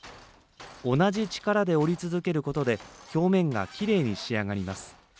同じ力で織り続けることで表面がきれいに仕上がります。